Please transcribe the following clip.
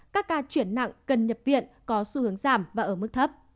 các ca chuyển nặng cần nhập viện có xu hướng giảm và ở mức thấp